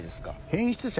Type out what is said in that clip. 変質者？